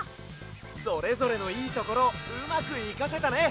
それぞれのいいところをうまくいかせたね！